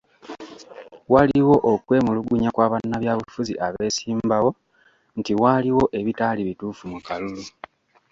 Waliwo okwemulugunya kwa bannabyabufuzi abeesimbawo nti waaliwo ebitaali bituufu mu kalulu.